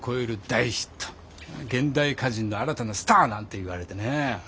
現代歌人の新たなスターなんていわれてね。